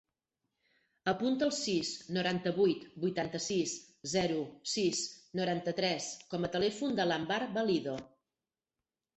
Apunta el sis, noranta-vuit, vuitanta-sis, zero, sis, noranta-tres com a telèfon de l'Anwar Valido.